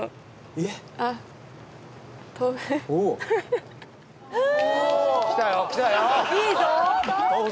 いいぞ！